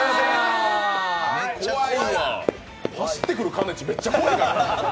怖いわ、走ってくるかねち、めっちゃ怖いわ。